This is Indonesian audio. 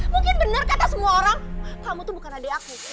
mungkin benar kata semua orang kamu tuh bukan adik aku